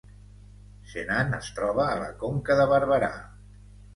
Senan es troba a la Conca de Barberà